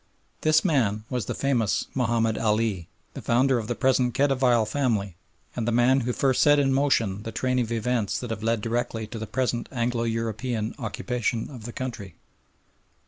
This man was the famous Mahomed Ali, the founder of the present Khedivial family and the man who first set in motion the train of events that have led directly to the present Anglo European occupation of the country.